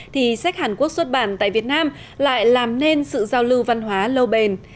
thì sách hàn quốc xuất bản tại việt nam lại làm nên sự giao lưu văn hóa lâu bền